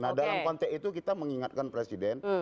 nah dalam konteks itu kita mengingatkan presiden